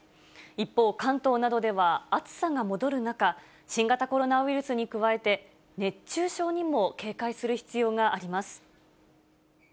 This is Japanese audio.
一方、関東などでは暑さが戻る中、新型コロナウイルスに加えて、熱中症にも警戒する必要があります。